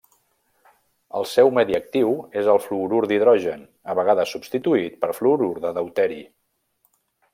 El seu medi actiu és el fluorur d'hidrogen, a vegades substituït per fluorur de deuteri.